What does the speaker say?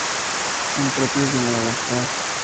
Son propios de Madagascar.